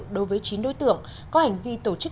đối với chín đối tượng có hành vi tổ chức